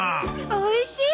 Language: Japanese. おいしい！